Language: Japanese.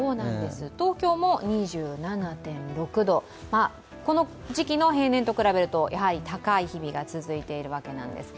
東京も２７．６度、この時期の平年と比べるとやはり高い日々が続いているわけなんです。